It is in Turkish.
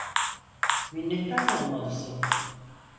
Minnettar olmalısın.